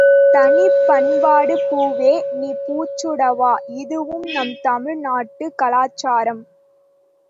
தனிப் பண்பாடு பூவே நீ பூச்சூடவா இதுவும் நம் தமிழ் நாட்டுக் கலாச்சாரம்.